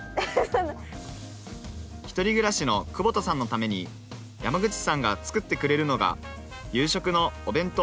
１人暮らしの久保田さんのために山口さんが作ってくれるのが夕食のお弁当